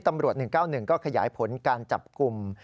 ตำรวจ๑๙๑ก็ขยายผลการจับกลุ่ม